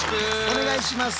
お願いします。